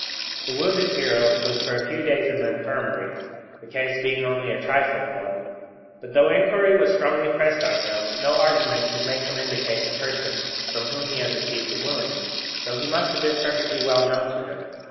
The wounded hero was for a few days in the Infirmary, the case being only a trifling one. But, though inquiry was strongly pressed on him, no argument could make him indicate the person from whom he had received the wound, though he must have been perfectly well known to him.